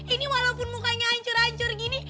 ini walaupun mukanya hancur hancur gini